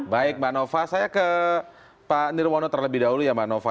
baik mbak nova saya ke pak nirwono terlebih dahulu ya mbak nova